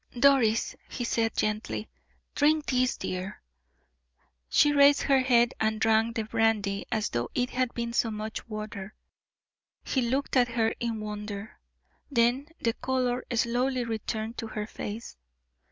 "Doris," he said, gently, "drink this dear." She raised her head and drank the brandy as though it had been so much water. He looked at her in wonder. Then the color slowly returned to her face.